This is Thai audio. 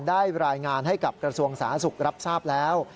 ได้รายงานให้กับกระทรวงสาธารณสุขรับทราบแล้ว